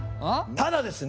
ただですね！